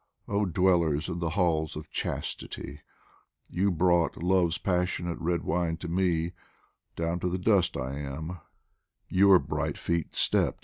Oh dwellers in the halls of Chastity ! You brought Love's passionate red wine to me, Down to the dust I am, your bright feet stept.